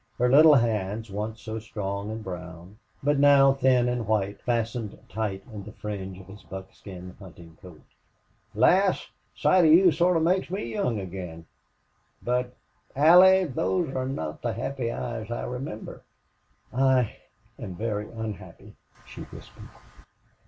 Her little hands, once so strong and brown, but now thin and white, fastened tight in the fringe of his buckskin hunting coat. "Lass, sight of you sort of makes me young agin but Allie, those are not the happy eyes I remember." "I am very unhappy," she whispered.